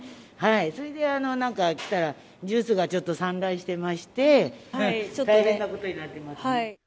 それで来たらジュースが散乱してまして大変なことになっています。